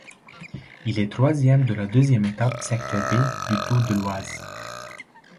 Il est troisième de la deuxième étape secteur b du Tour de l'Oise.